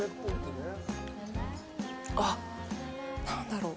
あっ、何だろう。